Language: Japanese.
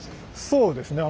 そうですね。